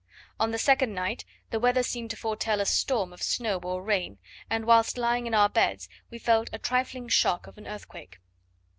On the second night the weather seemed to foretell a storm of snow or rain, and whilst lying in our beds we felt a trifling shock of an earthquake.